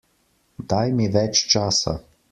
Daj mi več časa.